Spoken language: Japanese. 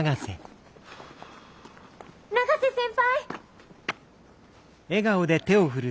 永瀬先輩！